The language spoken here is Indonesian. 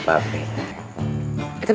sumpah juga ngerti kan